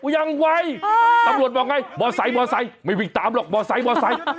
ยังไวตำรวจบอกไงบอสไซค์ไม่วิ่งตามหรอกบอสไซค์